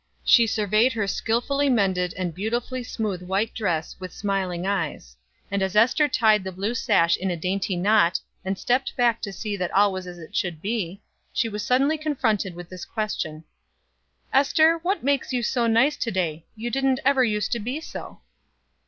She surveyed her skillfully mended and beautifully smooth white dress with smiling eyes; and as Ester tied the blue sash in a dainty knot, and stepped back to see that all was as it should be, she was suddenly confronted with this question: "Ester, what does make you so nice to day; you didn't ever used to be so?"